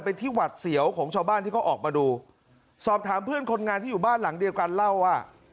เป็นที่หวัดเสียวของชาวบ้านที่เขาออกมาดูสอบถามเพื่อนคนงานที่อยู่บ้านหลังเดียวกันเล่าว่า